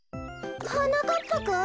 はなかっぱくん？